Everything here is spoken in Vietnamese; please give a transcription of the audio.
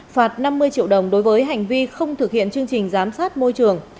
phạt năm mươi triệu đồng đối với hành vi không thực hiện chương trình giám sát môi trường